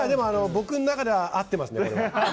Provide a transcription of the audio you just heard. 僕の中では合ってますね。